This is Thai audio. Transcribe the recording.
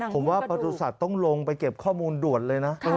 ผมว่าประสุทธิ์ต้องลงไปเก็บข้อมูลด่วนเลยนะ